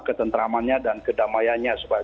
ketentramannya dan kedamaiannya supaya